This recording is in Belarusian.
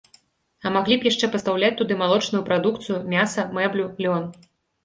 А маглі б яшчэ пастаўляць туды малочную прадукцыю, мяса, мэблю, лён.